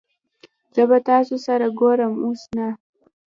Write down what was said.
زه به تاسو سره ګورم اوس نه